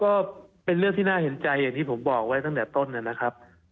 ก็เป็นเรื่องที่น่าเห็นใจอย่างที่ผมบอกไว้ตั้งแต่ต้นนะครับ